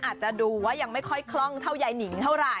อาจจะดูว่ายังไม่ค่อยคล่องเท่ายายนิงเท่าไหร